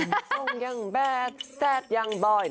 ทรงอย่างแบบแซ่บยังบ่อย